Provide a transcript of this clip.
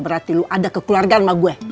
berarti lu ada kekeluargaan sama gue